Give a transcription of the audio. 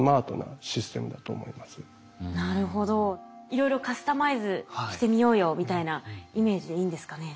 いろいろカスタマイズしてみようよみたいなイメージでいいんですかね？